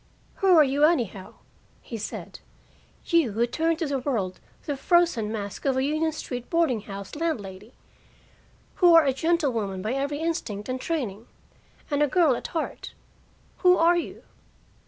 "Who are you, anyhow?" he said. "You who turn to the world the frozen mask of a Union Street boarding house landlady, who are a gentlewoman by every instinct and training, and a girl at heart? Who are you?"